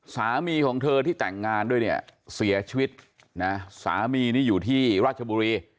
สามีของเธอที่แต่งงานด้วยเนี่ยเสียชีวิตนะสามีนี่อยู่ที่ราชบุรี